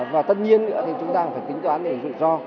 và tất nhiên nữa thì chúng ta cũng phải tính toán để rủi ro